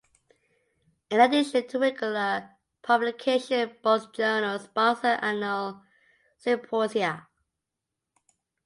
In addition to regular publication, both journals sponsor annual symposia.